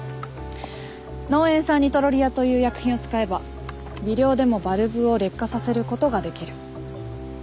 濃塩酸ニトロリアという薬品を使えば微量でもバルブを劣化させる事ができる。